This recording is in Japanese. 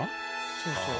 そうそう。